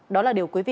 đó là điều quý vị